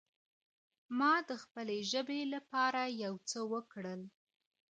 ما د خپلې ژبې لپاره يو څه وکړل.